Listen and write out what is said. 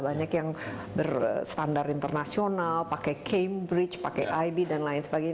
banyak yang berstandar internasional pakai cambridge pakai ib dan lain sebagainya